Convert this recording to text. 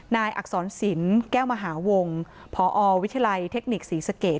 อักษรศิลป์แก้วมหาวงพอวิทยาลัยเทคนิคศรีสเกต